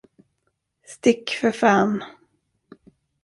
Stick, för fan!